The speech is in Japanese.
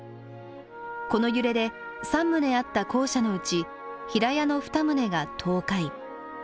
この揺れで３棟あった校舎のうち平屋の２棟が倒壊。